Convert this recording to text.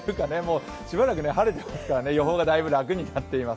しばらく晴れていますから予報がだいぶ楽になっています。